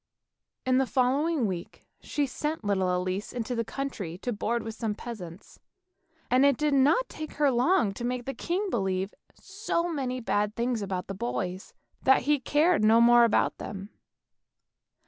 In the following week she sent little Elise into the country to board with some peasants, and it did not take her long to make the king believe so many bad things about the boys, that he cared no more about them.